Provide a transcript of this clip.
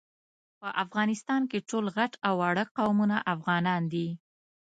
په افغانستان کي ټول غټ او واړه قومونه افغانان دي